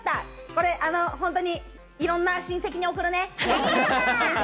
これホントに、いろんな親戚に送るね。